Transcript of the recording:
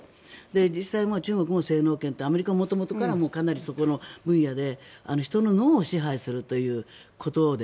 実際、中国もやっていてアメリカは元々かなりそこの分野で人の脳を支配するという。